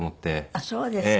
あっそうですか。